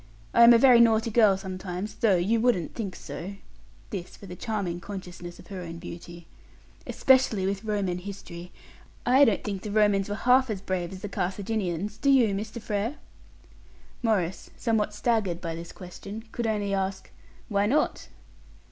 I am a very naughty girl sometimes, though you wouldn't think so" (this with a charming consciousness of her own beauty), "especially with Roman history. I don't think the Romans were half as brave as the Carthaginians; do you, Mr. Frere?" Maurice, somewhat staggered by this question, could only ask, "Why not?"